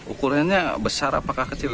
ukurannya besar apakah kecil